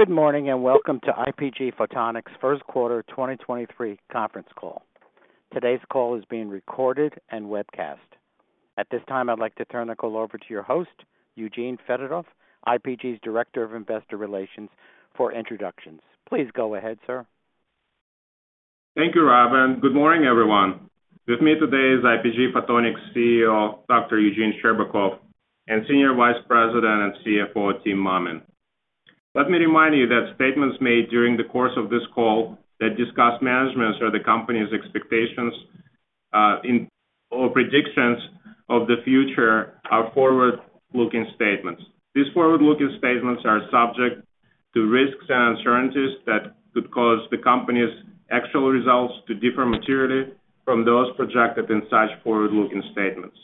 Good morning. Welcome to IPG Photonics' first quarter 2023 conference call. Today's call is being recorded and webcast. At this time, I'd like to turn the call over to your host, Eugene Fedotoff, IPG's Director of Investor Relations for introductions. Please go ahead, sir. Thank you, Rob. Good morning, everyone. With me today is IPG Photonics CEO, Dr. Eugene Scherbakov, and Senior Vice President and CFO, Tim Mammen Let me remind you that statements made during the course of this call that discuss management's or the company's expectations in or predictions of the future are forward-looking statements. These forward-looking statements are subject to risks and uncertainties that could cause the company's actual results to differ materially from those projected in such forward-looking statements.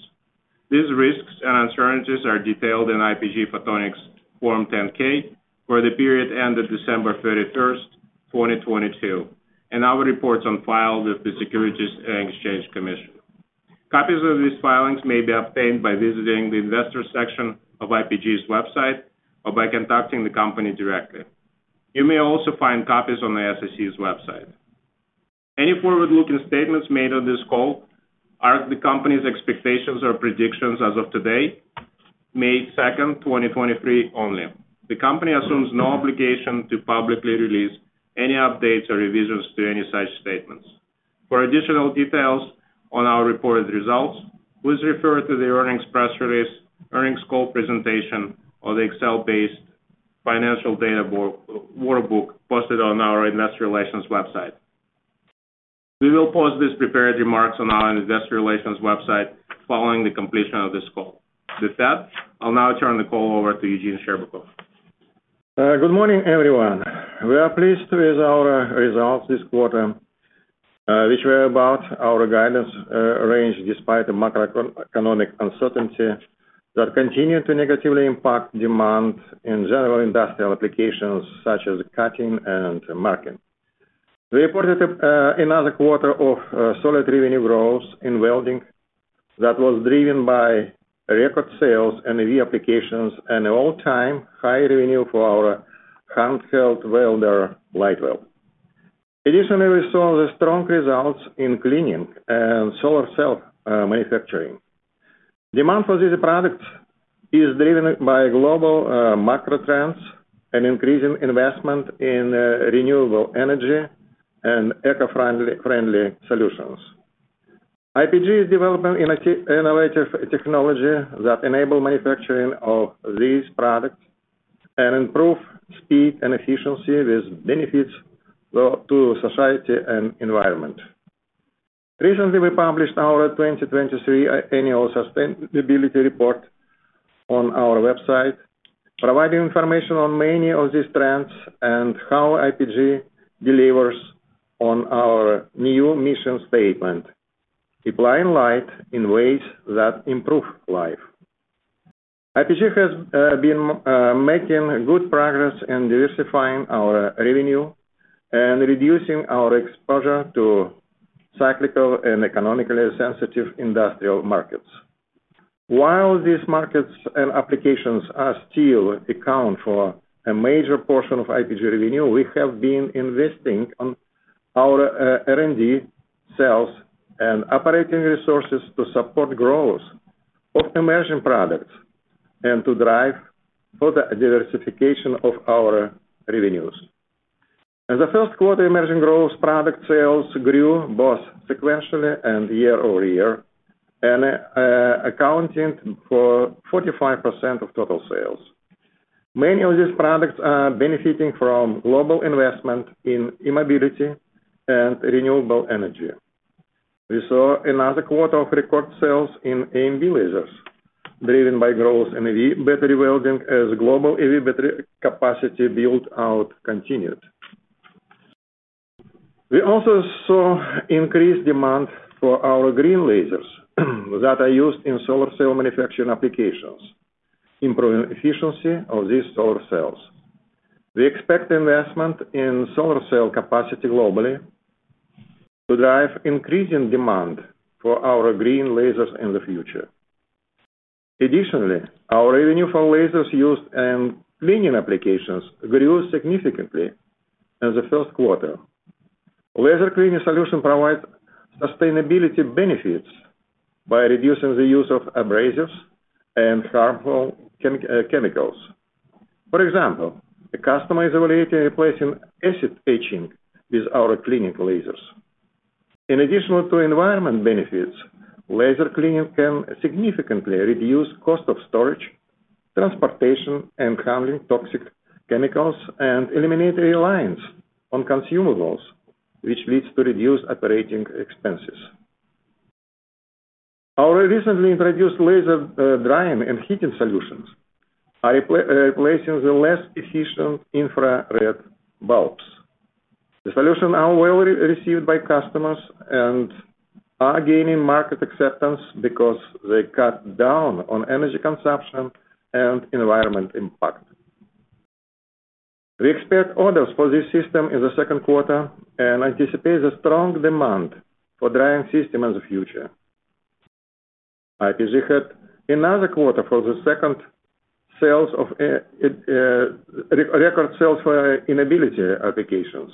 These risks and uncertainties are detailed in IPG Photonics' Form 10-K for the period ending December 31st, 2022, and our reports on file with the Securities and Exchange Commission. Copies of these filings may be obtained by visiting the investor section of IPG's website or by contacting the company directly. You may also find copies on the SEC's website. Any forward-looking statements made on this call are the company's expectations or predictions as of today, May second, 2023 only. The company assumes no obligation to publicly release any updates or revisions to any such statements. For additional details on our reported results, please refer to the earnings press release, earnings call presentation, or the Excel-based financial data book, workbook posted on our investor relations website. We will post these prepared remarks on our investor relations website following the completion of this call. With that, I'll now turn the call over to Eugene Scherbakov. Good morning, everyone. We are pleased with our results this quarter, which were about our guidance range despite the macroeconomic uncertainty that continued to negatively impact demand in general industrial applications such as cutting and marking. We reported another quarter of solid revenue growth in welding that was driven by record sales and reapplications and all-time high revenue for our handheld welder, LightWELD. Additionally, we saw the strong results in cleaning and solar cell manufacturing. Demand for these products is driven by global macro trends and increasing investment in renewable energy and eco-friendly solutions. IPG is developing innovative technology that enable manufacturing of these products and improve speed and efficiency with benefits to society and environment. Recently, we published our 2023 annual sustainability report on our website, providing information on many of these trends and how IPG delivers on our new mission statement, "Applying light in ways that improve life." IPG has been making good progress in diversifying our revenue and reducing our exposure to cyclical and economically sensitive industrial markets. While these markets and applications are still account for a major portion of IPG revenue, we have been investing on our R&D, sales, and operating resources to support growth of emerging products and to drive further diversification of our revenues. In the first quarter, emerging growth product sales grew both sequentially and year-over-year and accounting for 45% of total sales. Many of these products are benefiting from global investment in e-mobility and renewable energy. We saw another quarter of record sales in AMB lasers, driven by growth in EV battery welding as global EV battery capacity build-out continued. We also saw increased demand for our green lasers that are used in solar cell manufacturing applications, improving efficiency of these solar cells. We expect investment in solar cell capacity globally to drive increasing demand for our green lasers in the future. Additionally, our revenue for lasers used in cleaning applications grew significantly in the first quarter. Laser cleaning solution provides sustainability benefits by reducing the use of abrasives and harmful chemicals. For example, a customer is evaluating replacing acid etching with our cleaning lasers. In addition to environment benefits, laser cleaning can significantly reduce cost of storage, transportation, and handling toxic chemicals and eliminate reliance on consumables, which leads to reduced operating expenses. Our recently introduced laser drying and heating solutions are replacing the less efficient infrared bulbs. The solution are well received by customers and are gaining market acceptance because they cut down on energy consumption and environment impact. We expect orders for this system in the second quarter and anticipate a strong demand for drying system in the future. IPG had another quarter for the second sales of it record sales for e-mobility applications.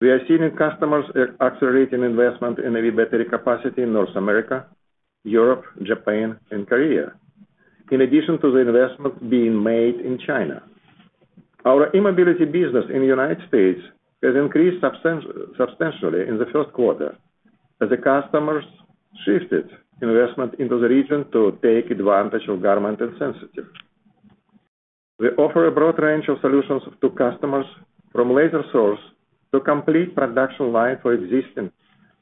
We are seeing customers accelerating investment in EV battery capacity in North America, Europe, Japan, and Korea. In addition to the investment being made in China. Our e-mobility business in the United States has increased substantially in the first quarter as the customers shifted investment into the region to take advantage of government incentive. We offer a broad range of solutions to customers from laser source to complete production line for existing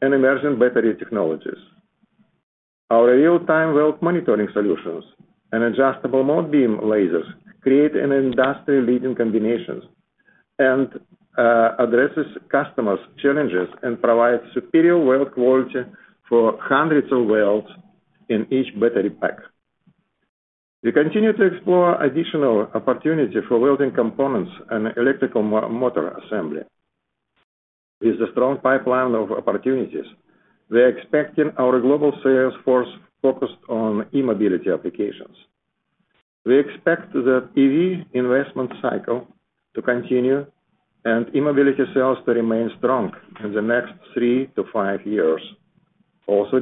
and emerging battery technologies. Our real-time weld monitoring solutions and Adjustable Mode Beam Lasers create an industry-leading combinations and addresses customers' challenges, and provides superior weld quality for hundreds of welds in each battery pack. We continue to explore additional opportunity for welding components and electrical motor assembly. With a strong pipeline of opportunities, we are expecting our global sales force focused on e-mobility applications. We expect the EV investment cycle to continue and e-mobility sales to remain strong in the next three to five years.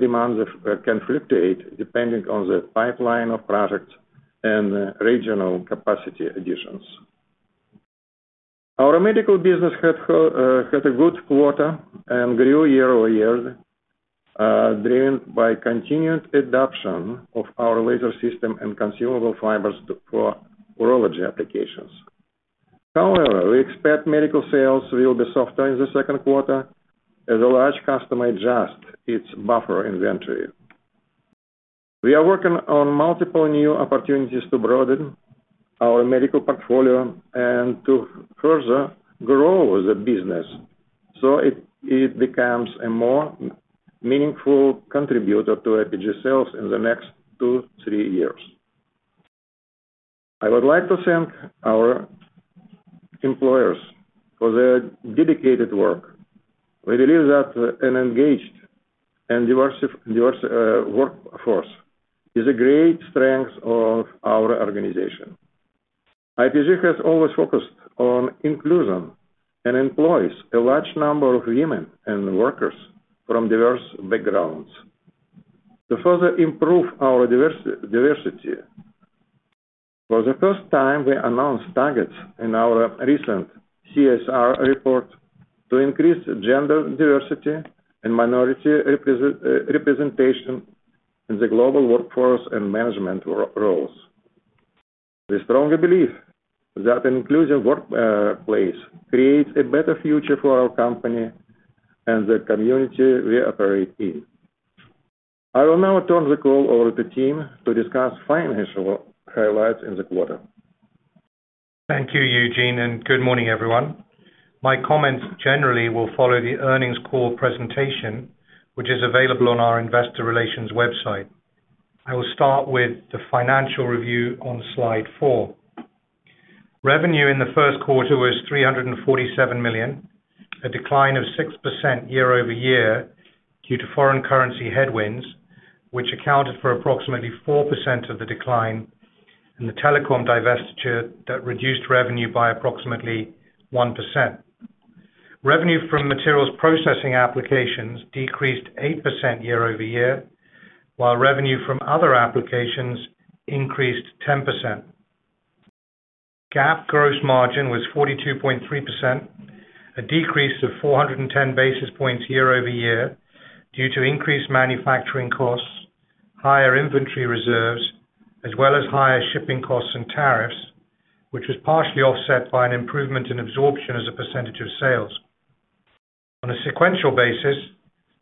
Demands can fluctuate depending on the pipeline of projects and regional capacity additions. Our medical business had a good quarter and grew year-over-year, driven by continued adoption of our laser system and consumable fibers to, for urology applications. We expect medical sales will be softer in the second quarter as a large customer adjusts its buffer inventory. We are working on multiple new opportunities to broaden our medical portfolio and to further grow the business so it becomes a more meaningful contributor to IPG sales in the next two, three years. I would like to thank our employers for their dedicated work. We believe that an engaged and diverse workforce is a great strength of our organization. IPG has always focused on inclusion and employs a large number of women and workers from diverse backgrounds. To further improve our diversity, for the first time, we announced targets in our recent CSR report to increase gender diversity and minority representation in the global workforce and management roles. We strongly believe that inclusive work place creates a better future for our company and the community we operate in. I will now turn the call over to Tim Mammen to discuss financial highlights in the quarter. Thank you, Eugene. Good morning, everyone. My comments generally will follow the earnings call presentation, which is available on our investor relations website. I will start with the financial review on slide four. Revenue in the first quarter was $347 million, a decline of 6% year-over-year due to foreign currency headwinds, which accounted for approximately 4% of the decline in the telecom divestiture that reduced revenue by approximately 1%. Revenue from materials processing applications decreased 8% year-over-year, while revenue from other applications increased 10%. GAAP gross margin was 42.3%, a decrease of 410 basis points year-over-year due to increased manufacturing costs, higher inventory reserves, as well as higher shipping costs and tariffs, which was partially offset by an improvement in absorption as a % of sales. On a sequential basis,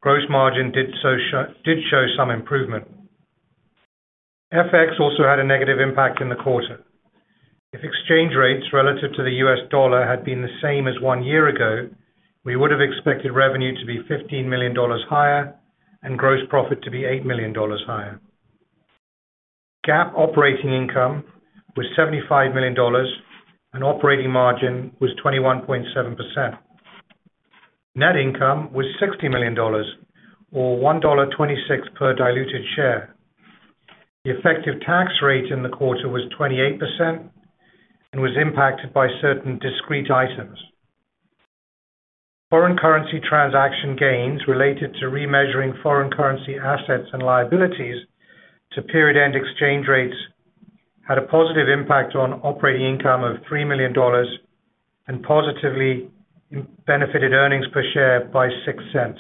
gross margin did show some improvement. FX also had a negative impact in the quarter. If exchange rates relative to the U.S. dollar had been the same as one year ago, we would have expected revenue to be $15 million higher and gross profit to be $8 million higher. GAAP operating income was $75 million, and operating margin was 21.7%. Net income was $60 million or $1.26 per diluted share. The effective tax rate in the quarter was 28% and was impacted by certain discrete items. Foreign currency transaction gains related to remeasuring foreign currency assets and liabilities to period-end exchange rates had a positive impact on operating income of $3 million and positively benefited earnings per share by $0.06.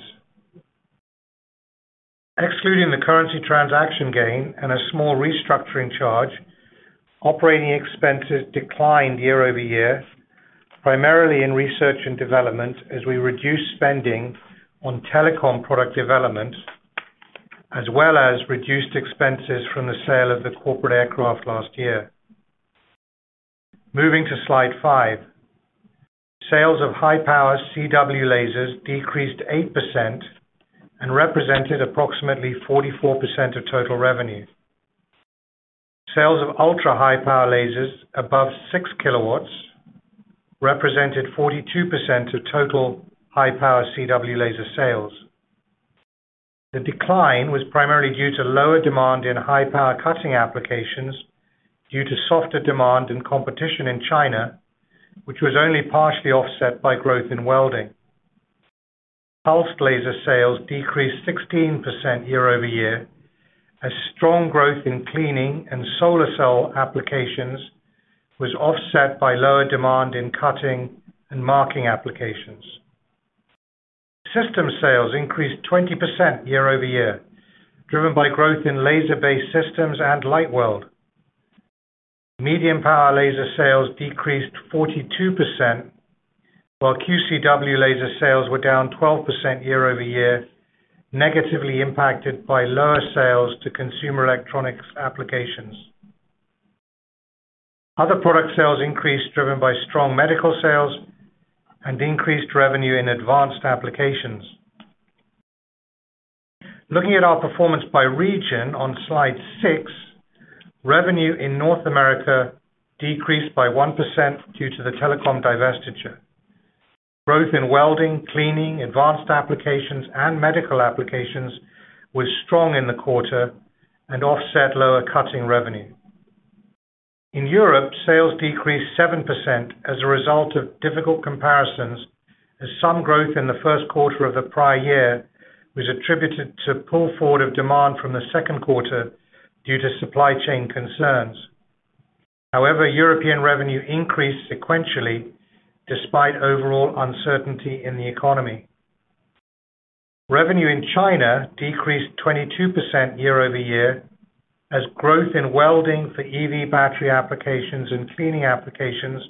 Excluding the currency transaction gain and a small restructuring charge, operating expenses declined year-over-year, primarily in research and development as we reduced spending on telecom product development, as well as reduced expenses from the sale of the corporate aircraft last year. Moving to slide five. Sales of high-power CW lasers decreased 8% and represented approximately 44% of total revenue. Sales of ultra-high-power lasers above 6 kilowatts represented 42% of total high-power CW laser sales. The decline was primarily due to lower demand in high-power cutting applications due to softer demand and competition in China, which was only partially offset by growth in welding. Pulsed laser sales decreased 16% year-over-year, as strong growth in cleaning and solar cell applications was offset by lower demand in cutting and marking applications. System sales increased 20% year-over-year, driven by growth in laser-based systems and. Medium LightWELD power laser sales decreased 42%, while QCW laser sales were down 12% year-over-year, negatively by lower sales to consumer electronics applications. Other product sales increased, driven by strong medical sales and increased revenue in advanced applications. Looking at our performance by region on slide six, revenue in North America decreased by 1% due to the telecom divestiture. Growth in welding, cleaning, advanced applications, and medical applications was strong in the quarter and offset lower cutting revenue. In Europe, sales decreased 7% as a result of difficult comparisons, as some growth in the first quarter of the prior year was attributed to pull forward of demand from the second quarter due to supply chain concerns. European revenue increased sequentially despite overall uncertainty in the economy. Revenue in China decreased 22% year-over-year, as growth in welding for EV battery applications and cleaning applications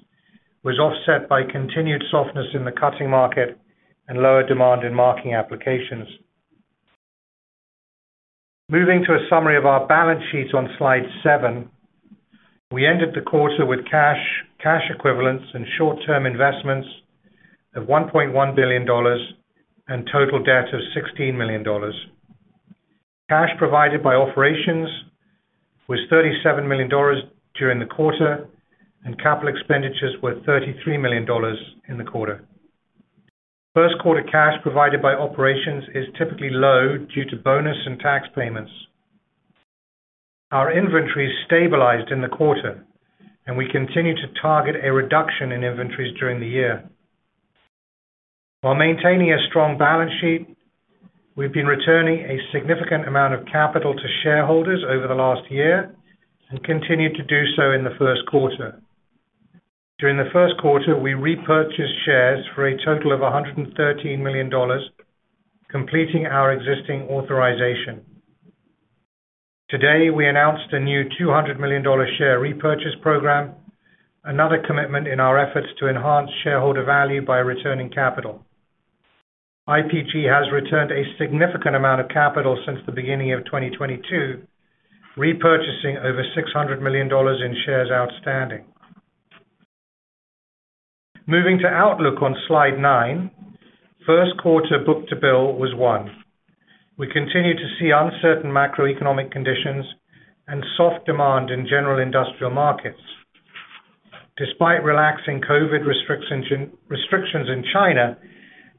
was offset by continued softness in the cutting market and lower demand in marking applications. Moving to a summary of our balance sheet on slide seven. We ended the quarter with cash equivalents, and short-term investments of $1.1 billions and total debt of $16 million. Cash provided by operations was $37 million during the quarter, and capital expenditures were $33 million in the quarter. First quarter cash provided by operations is typically low due to bonus and tax payments. Our inventory stabilized in the quarter and we continue to target a reduction in inventories during the year. While maintaining a strong balance sheet, we've been returning a significant amount of capital to shareholders over the last year and continue to do so in the first quarter. During the first quarter, we repurchased shares for a total of $113 million, completing our existing authorization. Today, we announced a new $200 million share repurchase program, another commitment in our efforts to enhance shareholder value by returning capital. IPG has returned a significant amount of capital since the beginning of 2022, repurchasing over $600 million in shares outstanding. Moving to outlook on slide nine. First quarter book-to-bill was one. We continue to see uncertain macroeconomic conditions and soft demand in general industrial markets. Despite relaxing COVID restrictions in China,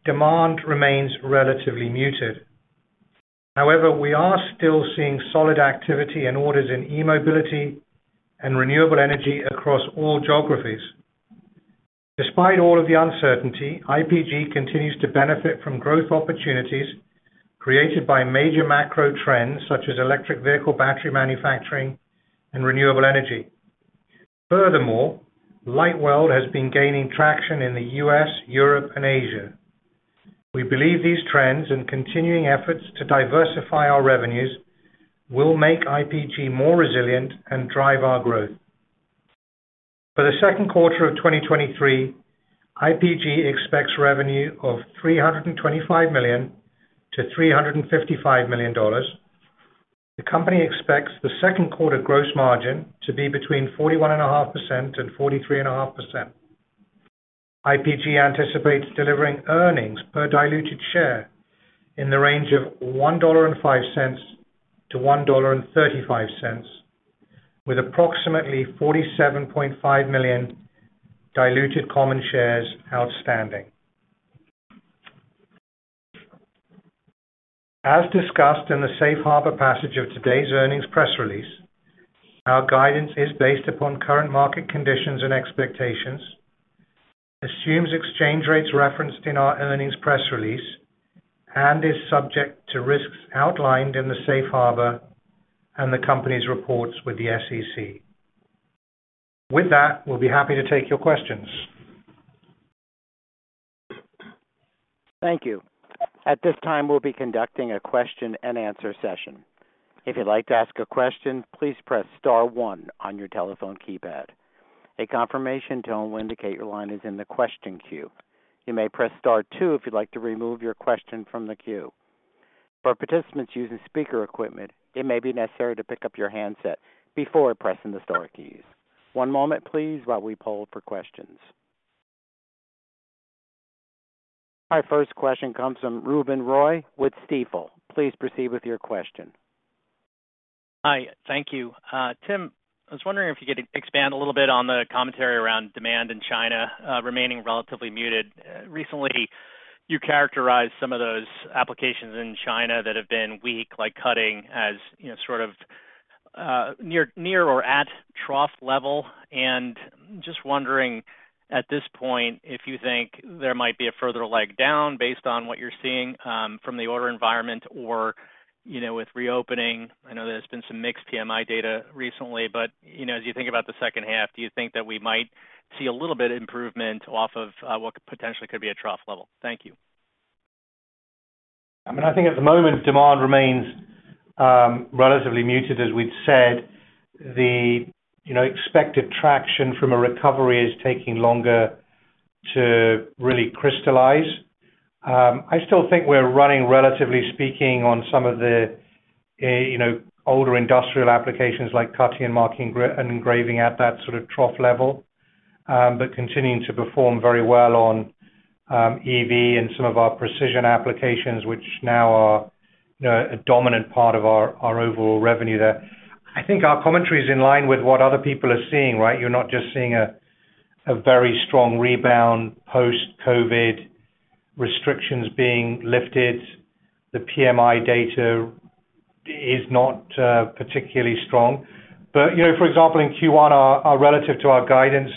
demand remains relatively muted. We are still seeing solid activity and orders in e-mobility and renewable energy across all geographies. Despite all of the uncertainty, IPG continues to benefit from growth opportunities created by major macro trends such as electric vehicle battery manufacturing and renewable energy. LightWELD has been gaining traction in the U.S., Europe, and Asia. We believe these trends and continuing efforts to diversify our revenues will make IPG more resilient and drive our growth. For the second quarter of 2023, IPG expects revenue of $325 million-$355 million. The company expects the second quarter gross margin to be between 41.5% -43.5%. IPG anticipates delivering earnings per diluted share in the range of $1.05-$1.35, with approximately $47.5 million diluted common shares outstanding. As discussed in the Safe Harbor passage of today's earnings press release, our guidance is based upon current market conditions and expectations, assumes exchange rates referenced in our earnings press release, and is subject to risks outlined in the Safe Harbor and the company's reports with the SEC. With that, we'll be happy to take your questions. Thank you. At this time, we'll be conducting a question and answer session. Our first question comes from Ruben Roy with Stifel. Please proceed with your question. Hi. Thank you. Tim, I was wondering if you could expand a little bit on the commentary around demand in China remaining relatively muted. Recently, you characterized some of those applications in China that have been weak, like cutting as, you know, sort of, near or at trough level. Just wondering at this point, if you think there might be a further leg down based on what you're seeing from the order environment or, you know, with reopening. I know there's been some mixed PMI data recently, but, you know, as you think about the second half, do you think that we might see a little bit of improvement off of what potentially could be a trough level? Thank you. I mean, I think at the moment, demand remains relatively muted, as we'd said. The, you know, expected traction from a recovery is taking longer to really crystallize. I still think we're running relatively speaking on some of the, you know, older industrial applications like cutting, marking, and engraving at that sort of trough level. Continuing to perform very well on EV and some of our precision applications, which now are, you know, a dominant part of our overall revenue there. I think our commentary is in line with what other people are seeing, right? You're not just seeing a very strong rebound post-COVID restrictions being lifted. The PMI data is not particularly strong. You know, for example, in Q1, our relative to our guidance,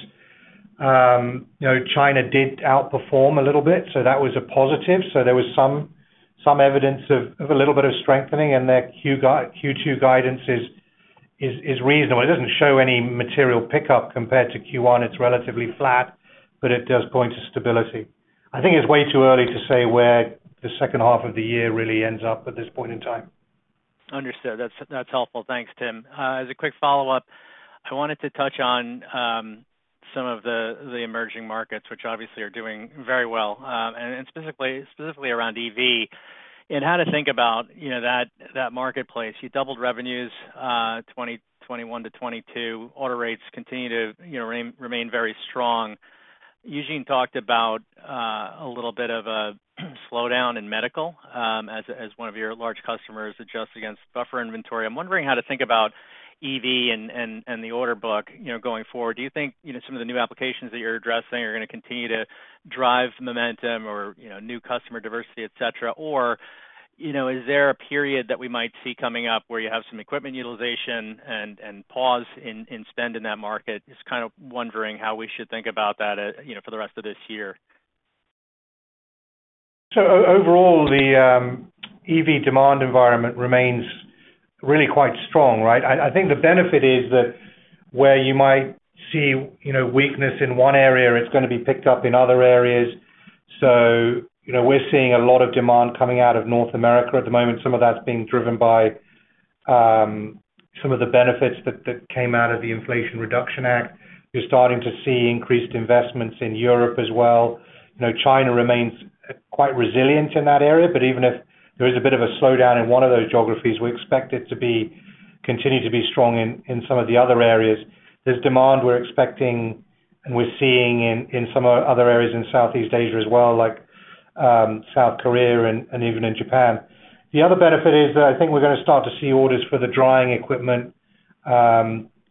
you know, China did outperform a little bit, so that was a positive. There was some evidence of a little bit of strengthening, and their Q2 guidance is reasonable. It doesn't show any material pickup compared to Q1. It's relatively flat, but it does point to stability. I think it's way too early to say where the second 1/2 of the year really ends up at this point in time. Understood. That's helpful. Thanks, Tim. As a quick follow-up, I wanted to touch on some of the emerging markets, which obviously are doing very well, and specifically around EV and how to think about, you know, that marketplace. You doubled revenues, 2021 - 2022. Order rates continue to, you know, remain very strong. Eugene talked about a little bit of a slowdown in medical, as one of your large customers adjusts against buffer inventory. I'm wondering how to think about EV and the order book, you know, going forward. Do you think, you know, some of the new applications that you're addressing are gonna continue to drive momentum or, you know, new customer diversity, et cetera? You know, is there a period that we might see coming up where you have some equipment utilization and pause in spend in that market? Just kind of wondering how we should think about that, you know, for the rest of this year. Overall, the EV demand environment remains really quite strong, right? I think the benefit is that where you might see, you know, weakness in one area, it's gonna be picked up in other areas. You know, we're seeing a lot of demand coming out of North America at the moment. Some of that's being driven by some of the benefits that came out of the Inflation Reduction Act. You're starting to see increased investments in Europe as well. You know, China remains quite resilient in that area, but even if there is a bit of a slowdown in one of those geographies, we expect it to continue to be strong in some of the other areas. There's demand we're expecting and we're seeing in some other areas in Southeast Asia as well, like South Korea and even in Japan. The other benefit is that I think we're gonna start to see orders for the drying equipment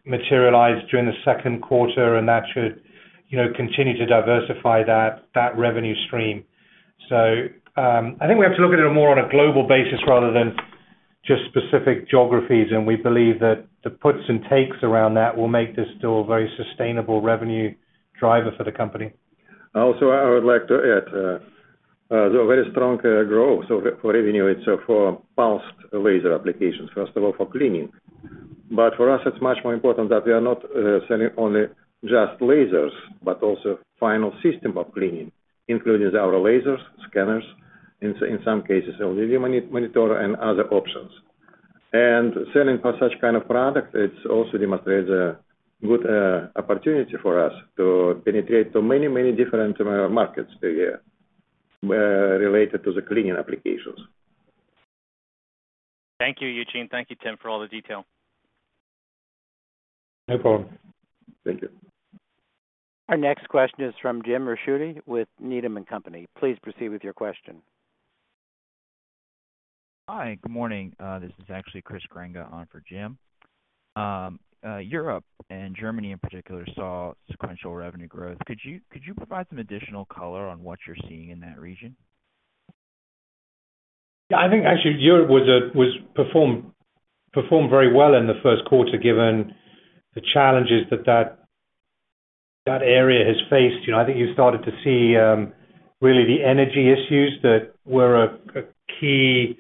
materialize during the second quarter, and that should, you know, continue to diversify that revenue stream. I think we have to look at it more on a global basis rather than just specific geographies. We believe that the puts and takes around that will make this still a very sustainable revenue driver for the company. Also, I would like to add, the very strong growth for revenue is for pulsed laser applications. First of all, for cleaning. For us, it's much more important that we are not selling only just lasers, but also final system of cleaning, including our lasers, scanners, in some cases, a laser monitor and other options. Selling for such kind of product, it also demonstrates a good opportunity for us to penetrate to many different markets per year, related to the cleaning applications. Thank you, Eugene. Thank you, Tim, for all the detail. No problem. Thank you. Our next question is from Jim Ricchiuti with Needham and Company. Please proceed with your question. Hi. Good morning. This is actually Chris Grenga on for Jim. Europe and Germany in particular saw sequential revenue growth. Could you provide some additional color on what you're seeing in that region? I think actually Europe was performed very well in the first quarter, given the challenges that area has faced. You know, I think you started to see really the energy issues that were a key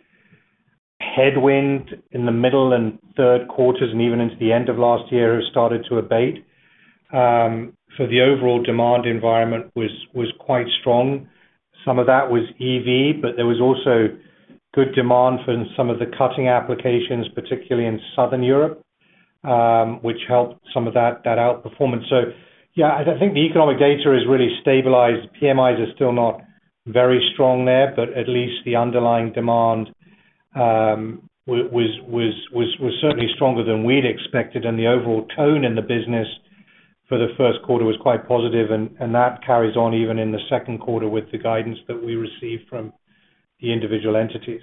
headwind in the middle and 3/4 and even into the end of last year has started to abate. The overall demand environment was quite strong. Some of that was EV, but there was also good demand from some of the cutting applications, particularly in Southern Europe, which helped some of that outperformance. I think the economic data is really stabilized. PMIs are still not very strong there, but at least the underlying demand was certainly stronger than we'd expected, and the overall tone in the business for the first quarter was quite positive, and that carries on even in the second quarter with the guidance that we receive from the individual entities.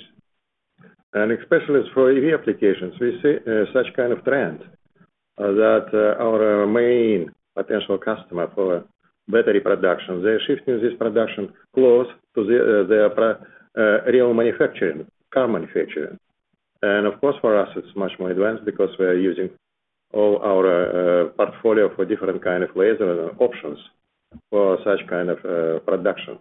Especially for EV applications, we see such kind of trend that our main potential customer for battery production, they're shifting this production close to their real manufacturing, car manufacturing. Of course, for us it's much more advanced because we are using all our portfolio for different kind of laser options for such kind of production.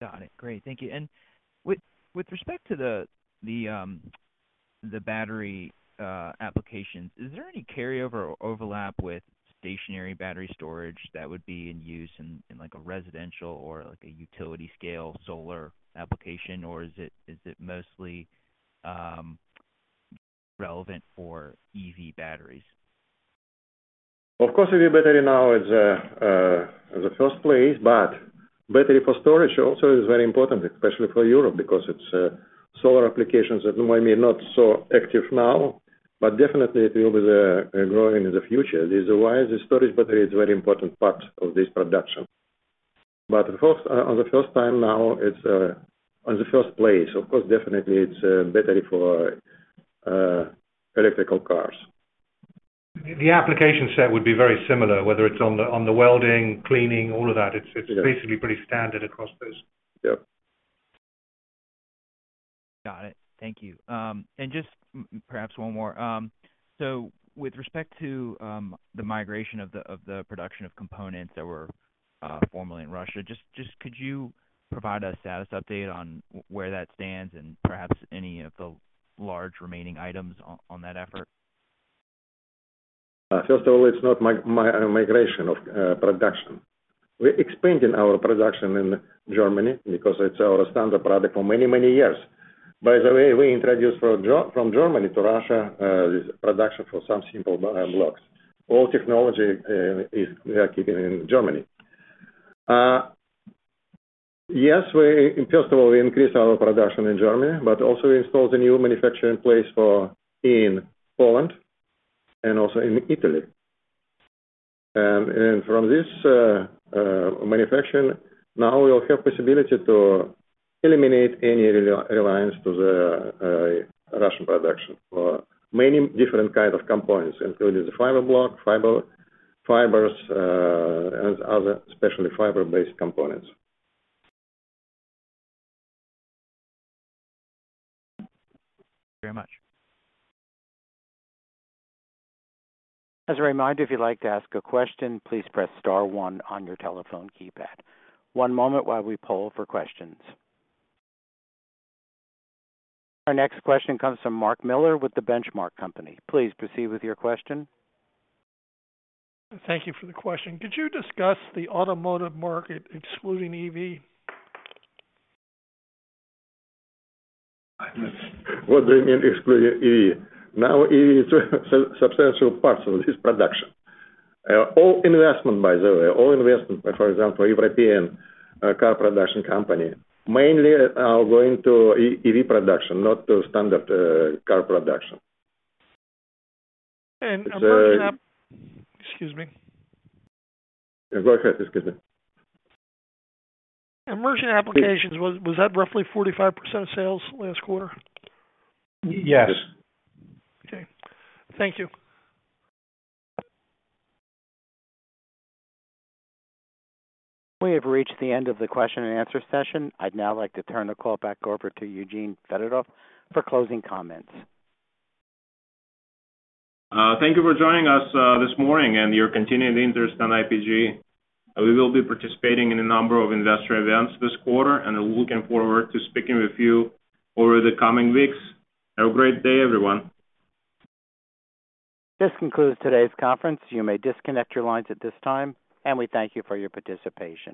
Got it. Great. Thank you. With respect to the battery applications, is there any carryover or overlap with stationary battery storage that would be in use in like a residential or like a utility scale solar application, or is it mostly relevant for EV batteries? Of course, EV battery now is the first place, but battery for storage also is very important, especially for Europe, because it's solar applications may be not so active now, but definitely it will be the growing in the future. This is why the storage battery is very important part of this production. Of course, on the first time now it's on the first place, of course, definitely it's battery for electrical cars. The application set would be very similar, whether it's on the welding, cleaning, all of that. Yes. It's basically pretty standard across those. Yep. Got it. Thank you. Just perhaps one more. With respect to, the migration of the production of components that were formerly in Russia, just could you provide a status update on where that stands and perhaps any of the large remaining items on that effort? First of all, it's not migration of production. We're expanding our production in Germany because it's our standard product for many, many years. By the way, we introduced from Germany to Russia, this production for some simple blocks. All technology is located in Germany. Yes, first of all, we increased our production in Germany, but also installed a new manufacturing place for in Poland and also in Italy. From this manufacturing, now we will have possibility to eliminate any reliance to the Russian production for many different kind of components, including the fiber block, fibers, and other specially fiber-based components. Very much. As a reminder, if you'd like to ask a question, please press star one on your telephone keypad. One moment while we poll for questions. Our next question comes from Mark Miller with The Benchmark Company. Please proceed with your question. Thank you for the question. Could you discuss the automotive market excluding EV? What do you mean excluding EV? Now, EV is a substantial part of this production. all investment by the way, for example, European car production company mainly are going to EV production, not to standard car production. and emerging app- The- Excuse me. Yeah, go ahead. Excuse me. Emerging applications, was that roughly 45% of sales last quarter? Yes. Yes. Okay. Thank you. We have reached the end of the question and answer session. I'd now like to turn the call back over to Eugene Fedotoff for closing comments. Thank you for joining us this morning and your continuing interest in IPG. We will be participating in a number of investor events this quarter, and we're looking forward to speaking with you over the coming weeks. Have a great day, everyone. This concludes today's conference. You may disconnect your lines at this time. We thank you for your participation.